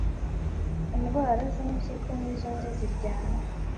indwara z'impyiko nizo nzi ziryana